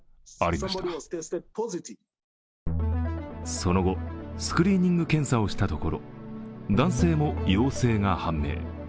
その後、スクリーニング検査をしたところ、男性も陽性が判明。